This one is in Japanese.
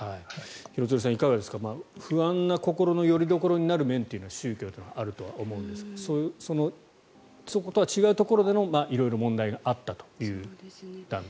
廣津留さん、いかがですか不安な心のよりどころになる面というのは宗教というのはあると思うんですがそことは違うところでの問題が色々あったということですが。